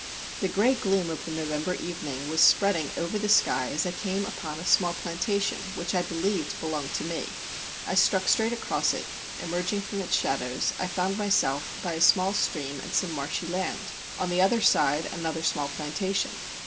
The gray gloom of the November evening was spreading over the sky as I came upon a small plantation which I believed belonged to me. I struck straight across it; emerging from its shadows, I found myself by a small stream and some marshy land; on the other side another small plantation.